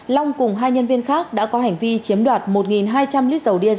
long cùng hai nhân viên khác đã có hành vi chiếm đoạt một hai trăm linh lít dầu diesel